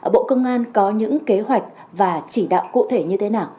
bộ công an có những kế hoạch và chỉ đạo cụ thể như thế nào